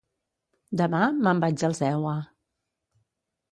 Demà me'n vaig als EUA.